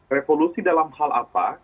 revolusi dalam hal apa